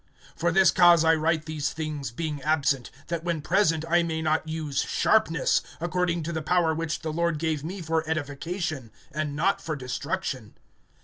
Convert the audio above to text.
(10)For this cause I write these things being absent, that when present I may not use sharpness, according to the power which the Lord gave me for edification, and not for destruction.